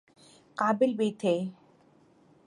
قابل بھی تھے۔